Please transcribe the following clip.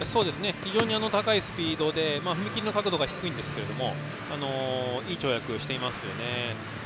非常に高いスピードで踏み切りの角度が低いですがいい跳躍をしていますね。